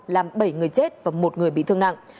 làm bảy người chết và một người bị thương nặng